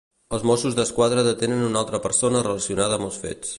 Els Mossos d'Esquadra detenen una altra persona relacionada amb els fets.